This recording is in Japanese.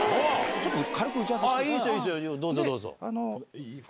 ちょっと軽く打ち合わせしてどうぞどうぞ。